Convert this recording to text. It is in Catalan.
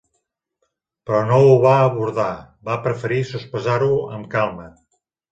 Però no ho va abordar, va preferir sospesar-ho amb calma.